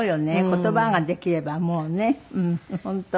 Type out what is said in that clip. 言葉ができればもうね本当。